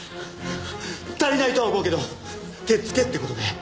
足りないとは思うけど手付けって事で。